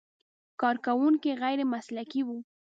کارکوونکي غیر مسلکي و.